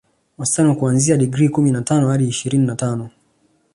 Wastani kuanzia digrii kumi na tano hadi digrii ishirini na tano